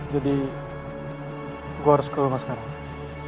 jadi gua harus ke rumah sekarang